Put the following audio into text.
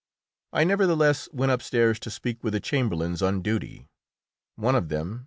I nevertheless went upstairs to speak with the chamberlains on duty. One of them, M.